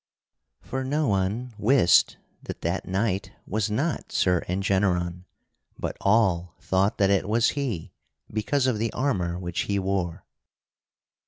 For no one wist that that knight was not Sir Engeneron, but all thought that it was he because of the armor which he wore.